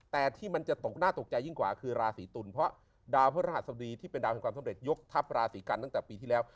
แต่ที่มันจะตกน่าตกใจยิ่งกว่าคือราศีตุลเพราะดาวพระราชสบดีที่เป็นดาวแห่งความสำเร็จยกทัพราศีกันตั้งแต่ปีที่แล้ว